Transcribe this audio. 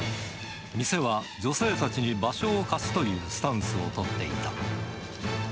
店は女性たちに場所を貸すというスタンスを取っていた。